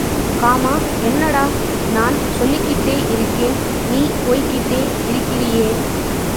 Gamma என்னடா நான் சொல்லிக்கிட்டே இருக்கேன் நீ போயிக்கிட்டே இருக்கிறீயே!